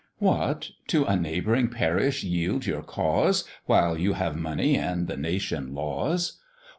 "What! to a neighbouring parish yield your cause, While you have money, and the nation laws?